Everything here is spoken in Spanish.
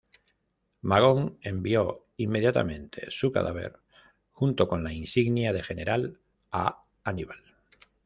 Magón envió inmediatamente su cadáver, junto con la insignia de general, a Aníbal.